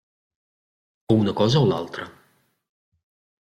O una cosa o l'altra.